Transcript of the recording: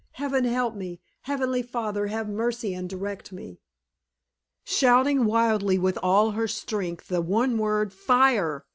"Heaven help me! Heavenly Father, have mercy, and direct me!" Shouting wildly with all her strength the one word "Fire!"